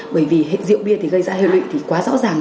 bởi vì hệ rượu bia thì gây ra hệ lụy thì quá rõ ràng